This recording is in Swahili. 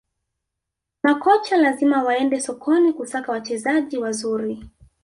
Makocha lazima waende sokoni kusaka wachezaji wazuri